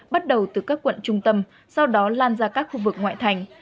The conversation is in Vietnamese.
bắt đầu từ các quận trung tâm sau đó lan ra các khu vực ngoại thành